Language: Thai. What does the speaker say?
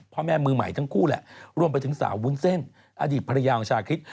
พ่อแม่มือใหม่ทั้งคู่แหละรวมไปถึงสาววุ้นเส้นอดีตภรรยาของชาคริส